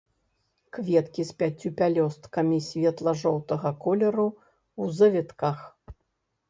Кветкі з пяццю пялёсткамі, светла-жоўтага колеру, у завітках.